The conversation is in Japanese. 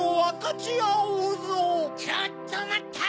・ちょっとまった！